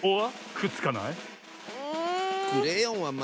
くっつかない！